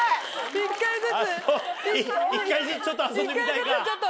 １回ずつちょっと遊んでみたいか。